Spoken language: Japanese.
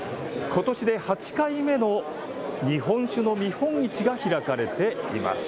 ことしで８回目の日本酒の見本市が開かれています。